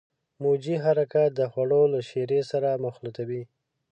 موجي حرکات د خوړو له شیرې سره مخلوطوي.